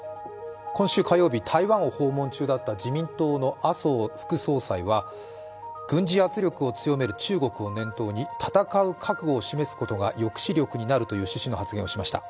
今週火曜日、台湾を訪問中だった自民党の麻生副総裁は軍事圧力を強める中国を念頭に戦う覚悟を示すことが抑止力になるという趣旨の発言をしました。